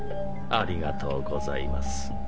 ありがとうございます。